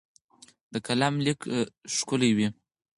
د قلم لیک ښکلی وي.